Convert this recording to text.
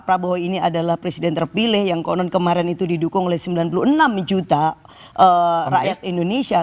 prabowo ini adalah presiden terpilih yang konon kemarin itu didukung oleh sembilan puluh enam juta rakyat indonesia